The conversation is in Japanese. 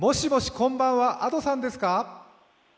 こんばんは、Ａｄｏです。